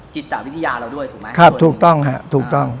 จิตวิทยาเราด้วยถูกไหมครับถูกต้องฮะถูกต้อง